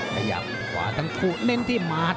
ขยับขวาทั้งคู่เน้นที่หมาด